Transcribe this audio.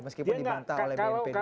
meskipun dimantah oleh bnp